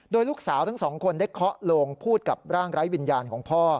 โดยลูกสาวทั้งสองคนได้เคาะโลงพูดกับร่างไร้วิญญาณของพ่อ